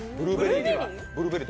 ブルーベリー？